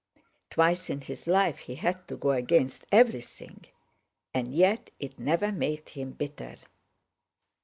Twice in his life he had to go against everything; and yet it never made him bitter."